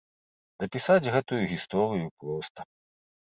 Дапісаць гэтую гісторыю проста.